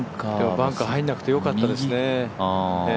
バンカー入らなくてよかったですね。